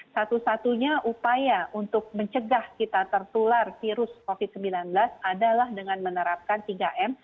satu satunya upaya untuk mencegah kita tertular virus covid sembilan belas adalah dengan menerapkan tiga m